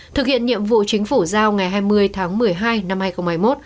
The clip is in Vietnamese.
thực hiện nhiệm vụ chính phủ giao ngày hai mươi tháng một mươi hai năm hai nghìn hai mươi một